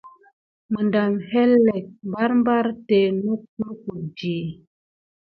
Məɗam héhélèk barbar té naku lukudi.